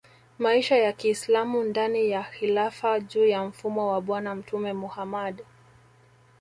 maisha ya Kiislamu ndani ya Khilafah juu ya mfumo wa bwana Mtume Muhammad